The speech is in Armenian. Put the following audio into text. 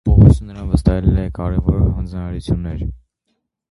Պողոսը նրան վստահել է կարևոր հանձնարարություններ։